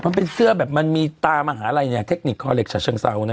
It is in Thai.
มันเป็นเสื้อแบบมันมีตามหาลัยเนี่ยเทคนิคคอเล็กฉะเชิงเซานะ